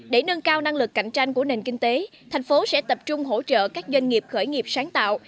để nâng cao năng lực cạnh tranh của nền kinh tế thành phố sẽ tập trung hỗ trợ các doanh nghiệp khởi nghiệp sáng tạo